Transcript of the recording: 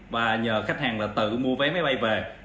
và nhờ khách hàng là tự mua vé máy bay về